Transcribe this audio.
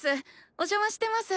お邪魔してます。